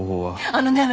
あのね